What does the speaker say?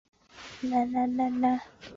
直叶珠藓为珠藓科珠藓属下的一个种。